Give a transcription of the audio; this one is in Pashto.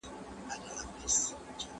تیارې دې نه شي پټولے، چراغان به شې.